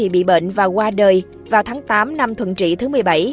bị bệnh và qua đời vào tháng tám năm thuận trị thứ một mươi bảy